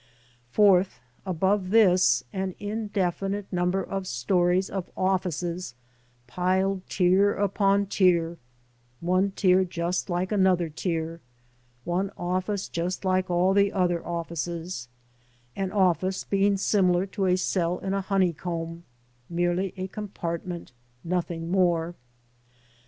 4th, above this an indefinite number of stories of offices piled tier upon tier, one tier just like another tier, one office just like all the other offices, ŌĆö an office being similar to a cell in a houey comb, merely a compartment, nothing more.